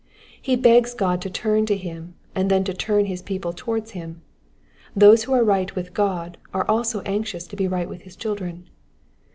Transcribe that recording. He egs God to turn to him, and then to turn his people towards him. Those who are right with God are also anxious to l^ right with his children.